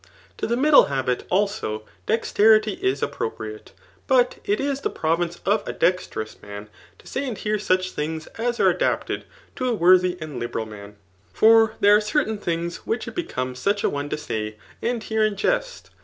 . To the middle habit, also, desterity is appropriate. But ii is the province of a dexterous man to say and hear such things, as are adapted to a worthy and liberal man ; for there are certain things which it becomes such a one to say and hear in jest.